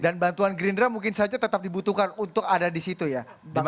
dan bantuan gerindra mungkin saja tetap dibutuhkan untuk ada disitu ya